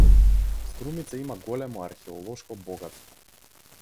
Струмица има големо археолошко богатство.